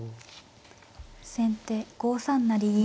先手５三成銀。